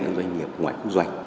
ngoài doanh nghiệp ngoài cũng doanh